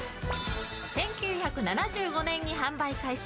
１９７５年に販売開始